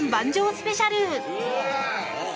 スペシャル。